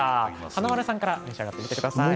華丸さんから召し上がってください。